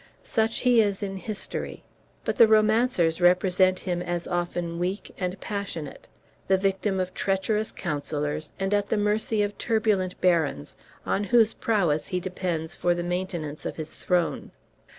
Such he is in history; but the romancers represent him as often weak and passionate, the victim of treacherous counsellors, and at the mercy of turbulent barons, on whose prowess he depends for the maintenance of his throne.